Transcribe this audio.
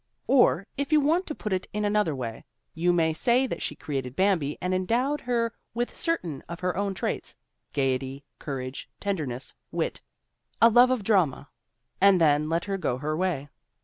Or, if you want to put it in another way, you may say that she created Bambi and endowed her with certain of her own traits gayety, courage, tenderness, wit, a love of drama and then let her go her way.